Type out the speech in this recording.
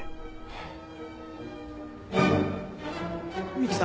三木さん。